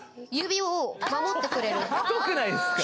太くないですか。